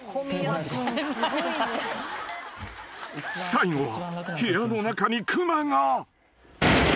［最後は部屋の中に熊が］